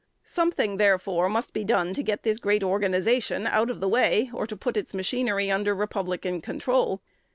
Something, therefore, must be done to get this great organization out of the way, or to put its machinery under "Republican" control.